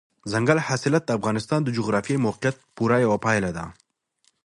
دځنګل حاصلات د افغانستان د جغرافیایي موقیعت پوره یوه پایله ده.